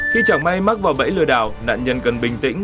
khi chẳng may mắc vào bẫy lừa đảo nạn nhân cần bình tĩnh